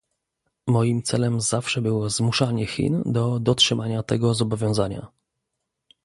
Moim celem zawsze było zmuszanie Chin do dotrzymania tego zobowiązania